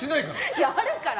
いや、あるから！